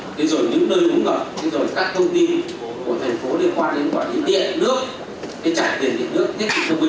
cái trạng điện điện nước thiết bị thông tin này